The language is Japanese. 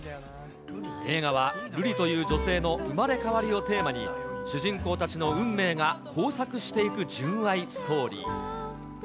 映画は、瑠璃という女性の生まれ変わりをテーマに、主人公たちの運命が交錯していく純愛ストーリー。